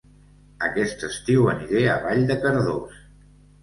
Aquest estiu aniré a Vall de Cardós